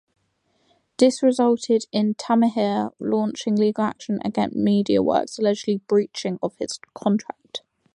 This resulted in Tamihere launching legal action against Mediaworks alleging breach of his contract.